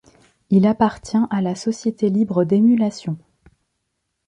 Il appartient à la Société libre d'émulation.